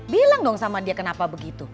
bilang dong sama dia kenapa begitu